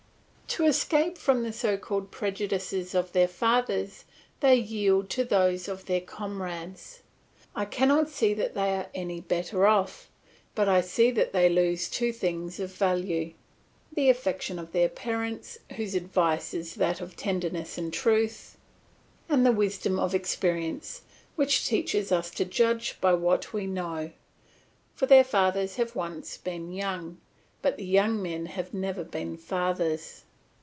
To escape from the so called prejudices of their fathers, they yield to those of their comrades. I cannot see that they are any the better off; but I see that they lose two things of value the affection of their parents, whose advice is that of tenderness and truth, and the wisdom of experience which teaches us to judge by what we know; for their fathers have once been young, but the young men have never been fathers.